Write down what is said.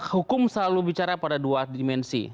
hukum selalu bicara pada dua dimensi